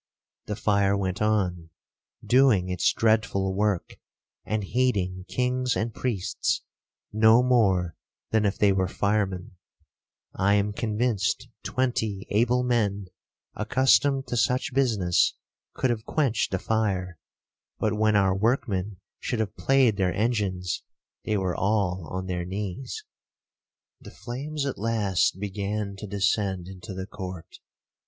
The fire went on, doing its dreadful work, and heeding kings and priests no more than if they were firemen. I am convinced twenty able men, accustomed to such business, could have quenched the fire; but when our workmen should have played their engines, they were all on their knees. 1 The passion of the late king of Spain for field sports was well known. 'The flames at last began to descend into the court.